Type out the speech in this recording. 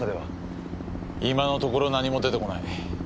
今のところ何も出てこない。